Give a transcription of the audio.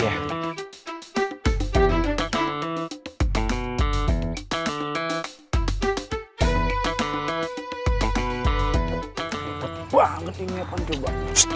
gepet banget ini pan coba